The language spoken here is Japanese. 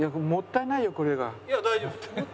いや大丈夫です。